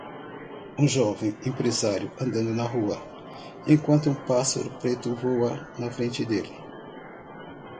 Um jovem empresário andando na rua, enquanto um pássaro preto voa na frente dele.